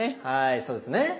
はいそうですね。